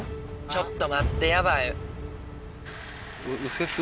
ちょっと待ってヤバい。